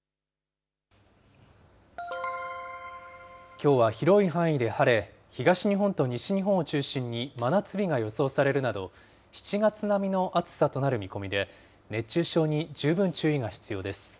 きょうは広い範囲で晴れ、東日本と西日本を中心に、真夏日が予想されるなど、７月並みの暑さとなる見込みで、熱中症に十分注意が必要です。